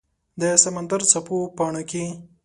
د سمندردڅپو پاڼو کې